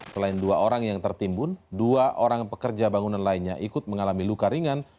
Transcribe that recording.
selain dua orang yang tertimbun dua orang pekerja bangunan lainnya ikut mengalami luka ringan